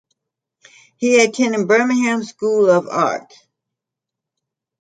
He attended Birmingham School of Art.